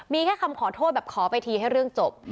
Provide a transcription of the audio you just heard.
มีแค่คำขอโทษแบบขอไปทีให้เรื่องจบ